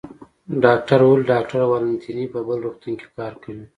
ډاکټر وویل: ډاکټر والنتیني په بل روغتون کې کار کوي.